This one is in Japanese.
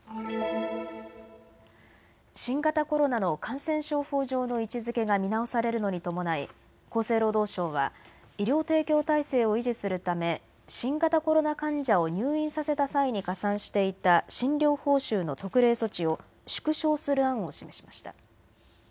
新型コロナの感染症法上の位置づけが見直されるのに伴い厚生労働省は医療提供態勢を維持するため新型コロナ患者を入院させた際に加算していた診療報酬の特例措置を縮小する案を示しました。